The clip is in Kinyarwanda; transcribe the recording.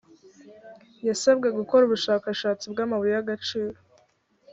yasabwe gukora ubushakashatsi bw’amabuye y’agaciro